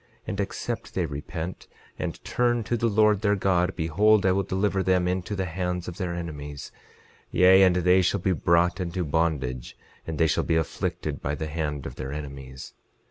11:21 And except they repent and turn to the Lord their God, behold, I will deliver them into the hands of their enemies; yea, and they shall be brought into bondage; and they shall be afflicted by the hand of their enemies.